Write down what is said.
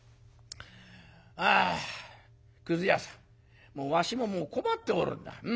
「ああくず屋さんわしももう困っておるんだ。